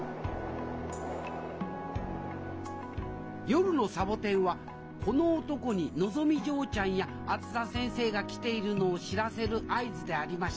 夜のサボテンはこの男にのぞみ嬢ちゃんやあづさ先生が来ているのを知らせる合図でありました。